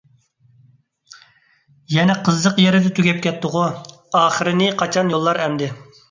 يەنە قىزىق يېرىدە تۈگەپ كەتتىغۇ؟ ئاخىرىنى قاچان يوللار ئەمدى؟